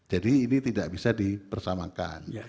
jadi ini tidak bisa dipersamakan